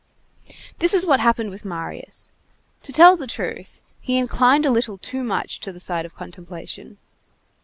This is what had happened with Marius. To tell the truth, he inclined a little too much to the side of contemplation.